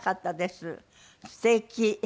すてき。